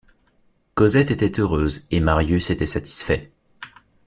Cosette était heureuse, et Marius était satisfait.